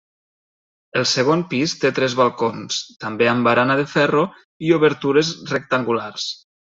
El segon pis té tres balcons, també amb barana de ferro i obertures rectangulars.